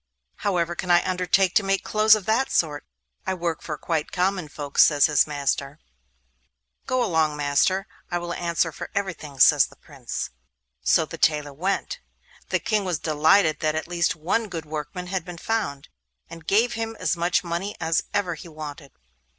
'However can I undertake to make clothes of that sort? I work for quite common folks,' says his master. 'Go along, master! I will answer for everything,' says the Prince. So the tailor went. The King was delighted that at least one good workman had been found, and gave him as much money as ever he wanted.